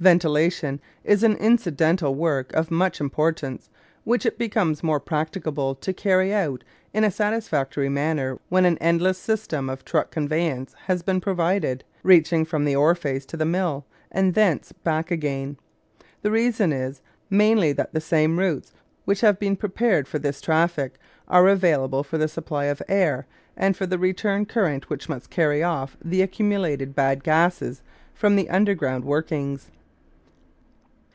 Ventilation is an incidental work of much importance which it becomes more practicable to carry out in a satisfactory manner when an endless system of truck conveyance has been provided, reaching from the ore face to the mill, and thence back again. The reason is mainly that the same routes which have been prepared for this traffic are available for the supply of air and for the return current which must carry off the accumulated bad gases from the underground workings.